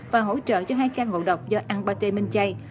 và hỗ trợ cho hai căn ngộ độc do anbate minh chay